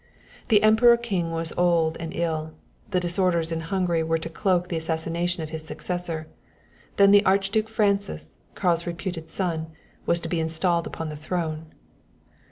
The Emperor king was old and ill; the disorders in Hungary were to cloak the assassination of his successor; then the Archduke Francis, Karl's reputed son, was to be installed upon the throne."